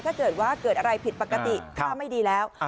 ถ้าเกิดว่าเกิดอะไรผิดปกติถ้าไม่ดีแล้ว